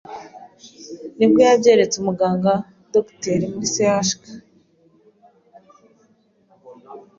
Nibwo yabyeretse umuganga (Doctor) muri CHUK),